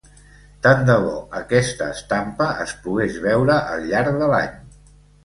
Tant de bo aquesta estampa es pogués veure al llarg de l'any.